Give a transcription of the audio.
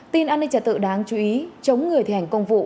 tin an ninh trả tự đáng chú ý chống người thi hành công vụ